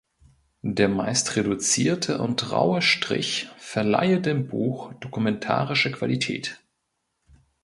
Der meist reduzierte und raue Strich verleihe dem Buch „dokumentarische Qualität“.